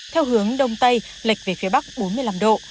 theo hướng đông tây lệch về phía bắc bốn mươi năm độ